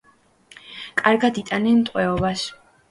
კარგად იტანენ ტყვეობას.